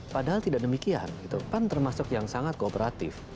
padahal tidak demikian pan termasuk yang sangat kooperatif